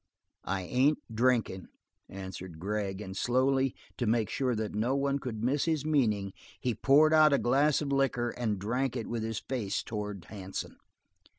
"I ain't drinkin'," answered Gregg, and slowly, to make sure that no one could miss his meaning, he poured out a glass of liquor, and drank it with his face towards Hansen.